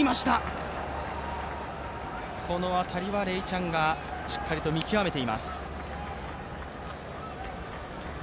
この辺りはレイ・チャンがしっかりと見極めています。